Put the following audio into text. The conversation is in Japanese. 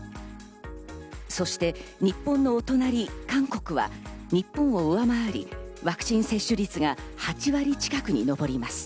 そして日本のお隣、韓国は日本を上回りワクチン接種率が８割近くに上ります。